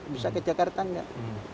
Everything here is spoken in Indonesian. bisa ke jakarta enggak